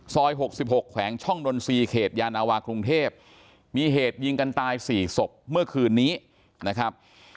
ซอยหกสิบหกแขวงช่องดนทรีย์เขตยานาวาครุงเทพฯมีเหตุยิงกันตายสี่ศพเมื่อคืนนี้นะครับ